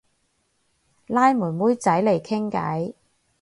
拉妹妹仔嚟傾偈